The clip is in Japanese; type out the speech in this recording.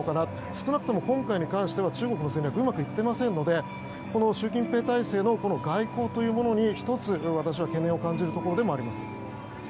少なくとも今回に関しては中国の戦略がうまくいっていませんので習近平体制の外交というものに１つ懸念を感じるところです。